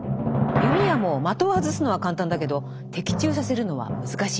弓矢も的を外すのは簡単だけど的中させるのは難しい。